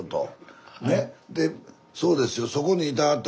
でそうですよ。